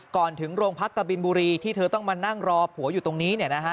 ถึงโรงพักกะบินบุรีที่เธอต้องมานั่งรอผัวอยู่ตรงนี้